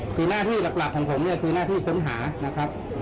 คือหน้าที่หลักของผมเนี่ยคือหน้าที่ค้นหานะครับ